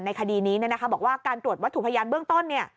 คดีนี้บอกว่าการตรวจวัตถุพยานเบื้องต้น